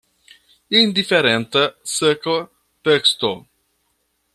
Indiferenta, seka teksto!